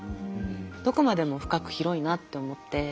どこまでも深く広いなって思って。